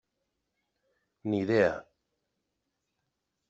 Ni idea.